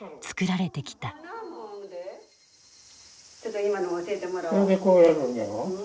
ちょっと今の教えてもらおう。